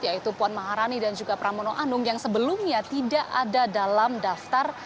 yaitu puan maharani dan juga pramono anung yang sebelumnya tidak ada dalam daftar